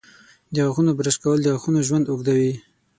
د غاښونو برش کول د غاښونو ژوند اوږدوي.